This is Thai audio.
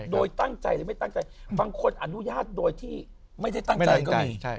โดยตั้งใจหรือไม่ตั้งใจบางคนอนุญาตโดยที่ไม่ได้ตั้งใจก็มี